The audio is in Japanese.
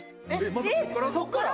そっから？